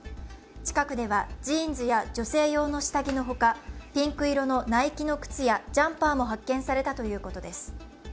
近くではジーンズや女性用の下着のほか、ピンク色のナイキの靴やジャンパーも発見されたということです。